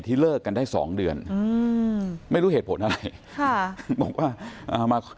เลิกกันได้สองเดือนอืมไม่รู้เหตุผลอะไรค่ะบอกว่าอ่ามา